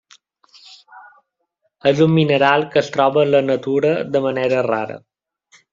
És un mineral que es troba a la natura de manera rara.